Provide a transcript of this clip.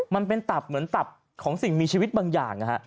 มันเป็นตับเหมือนตับของสิ่งมีชีวิตบางอย่าง